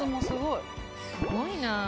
すごいな。